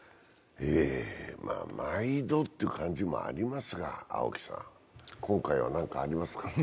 毎度っていう感じもありますが、今回は何かありますか？